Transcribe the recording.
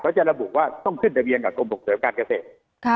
จะระบุว่าต้องขึ้นทะเบียนกับกรมส่งเสริมการเกษตร